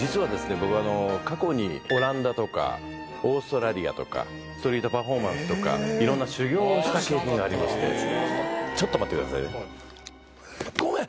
僕過去にオランダとかオーストラリアとかストリートパフォーマンスとかいろんな修業をした経験がありましてちょっと待ってくださいね